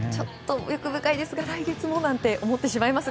欲深いですが来月もなんて思ってしまいます。